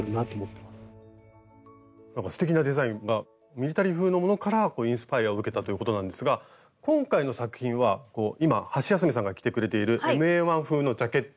ミリタリー風のものからインスパイアを受けたということなんですが今回の作品は今ハシヤスメさんが着てくれているＭＡ−１風のジャケット。